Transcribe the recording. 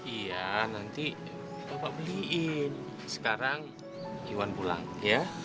iya nanti bapak beliin sekarang iwan pulang ya